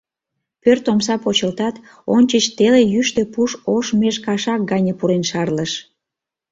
Пӧрт омса почылтат, ончыч теле йӱштӧ пуш ош меж кашак гане пурен шарлыш.